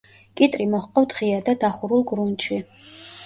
კიტრი მოჰყავთ ღია და დახურულ გრუნტში.